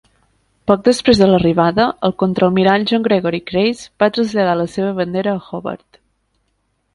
Poc després de l'arribada, el contraalmirall John Gregory Crace va traslladar la seva bandera a "Hobart".